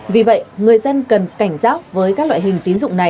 vì vậy người dân cần cảnh giác với các loại hình tín dụng này